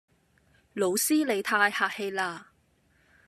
老師你太客氣啦